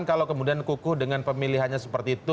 kalau kemudian kukuh dengan pemilihannya seperti itu